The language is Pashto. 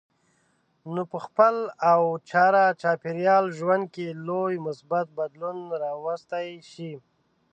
نو په خپل او چار چاپېره ژوند کې لوی مثبت بدلون راوستی شئ.